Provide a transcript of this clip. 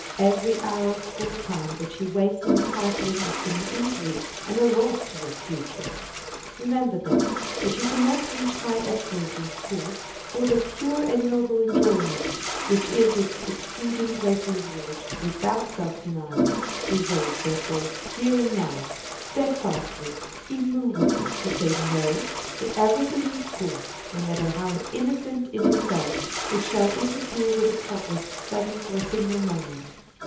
Every hour of school time that you waste in trifling is an injury and a loss to your future. Remember, then, that you cannot reach high excellence in school, or that pure and noble enjoyment, which is its exceeding great reward, without self denial. Resolve, therefore, here and now, steadfastly, immovably, to say "no" to everything in school, no matter how innocent in itself, which shall interfere with the progress of study for a single moment.